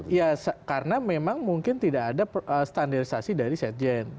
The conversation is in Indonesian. ya karena memang mungkin tidak ada standarisasi dari sekjen